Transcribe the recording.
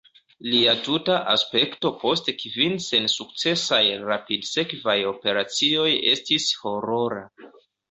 Lia tuta aspekto post kvin sensukcesaj rapidsekvaj operacioj estis horora.